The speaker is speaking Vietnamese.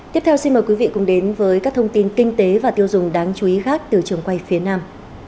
tiếp theo xin mời quý vị cùng đến với các thông tin kinh tế và tiêu dùng đáng chú ý khác từ trường quay phía nam